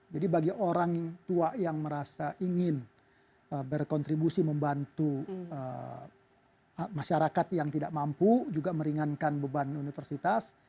jadi bagi orang tua yang merasa ingin berkontribusi membantu masyarakat yang tidak mampu juga meringankan beban universitas